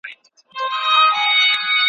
له فرهنګه د خوشحال وي چي هم توره وي هم ډال وي ,